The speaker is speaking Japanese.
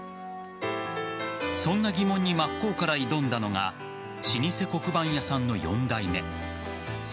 そんな疑問に真っ向から挑んだのが老舗黒板屋さんの４代目坂